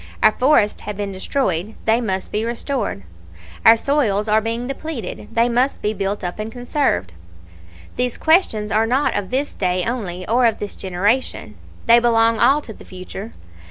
Our forests have been destroyed; they must be restored. Our soils are being depleted; they must be built up and conserved. "These questions are not of this day only or of this generation. They belong all to the future.